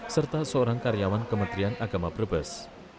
serta seorang karyawan kementerian agama brebes